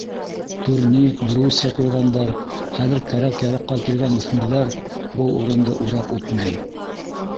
Турник, брусья ҡуйғандар, хәҙер кәрәк-яраҡҡа килгән үҫмерҙәр был урынды урап үтмәй.